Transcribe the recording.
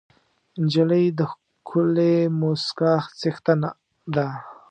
نجلۍ د ښکلې موسکا څښتنه ده.